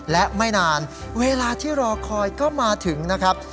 และไม่นานเวลาที่รอคอยก็มาถึงนะครับ